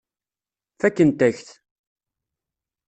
Fakken-ak-t.